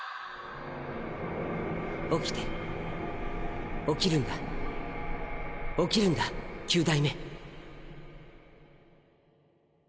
起きて起きるんだ起きるんだ９代目。